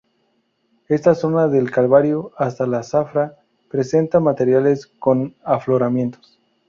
Esta zona del Calvario hasta la Zafra, presenta materiales con afloramientos.